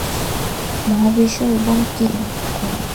মহাবিশ্ব এবং কে ব্রহ্ম।